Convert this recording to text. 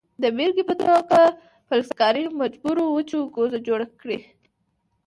د بیلګې په توګه فلزکار مجبور و چې کوزه جوړه کړي.